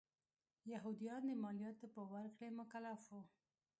یهودیان د مالیاتو په ورکړې مکلف و.